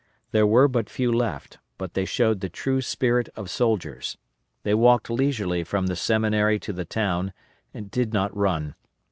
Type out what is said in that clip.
There were but few left, but they showed the true spirit of soldiers. They walked leisurely from the Seminary to the town, and did not run.